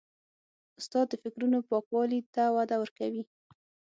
استاد د فکرونو پاکوالي ته وده ورکوي.